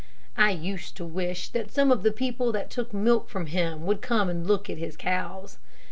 I used to wish that some of the people that took milk from him would come and look at his cows.